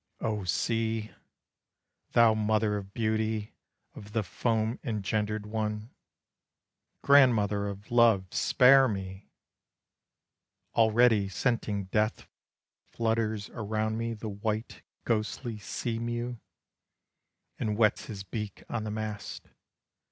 O sea. Thou mother of beauty, of the foam engendered one, Grandmother of love, spare me! Already scenting death, flutters around me The white, ghostly sea mew, And whets his beak on the mast.